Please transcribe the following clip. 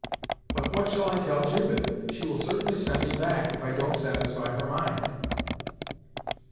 "But what shall I tell Judith? She will certainly send me back, if I don't satisfy her mind."